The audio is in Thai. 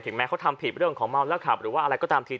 แม้เขาทำผิดเรื่องของเมาแล้วขับหรือว่าอะไรก็ตามที